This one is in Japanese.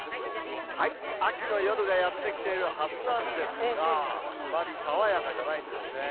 秋の夜がやって来ているはずなんですが、あまり爽やかじゃないんですね。